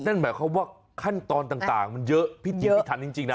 นั่นหมายความว่าขั้นตอนต่างมันเยอะพิจิตรพิถันจริงนะ